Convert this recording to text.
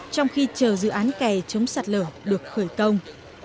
trong khi chờ dự án kè chống sạt lở được khởi công